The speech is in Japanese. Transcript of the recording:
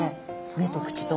目と口と。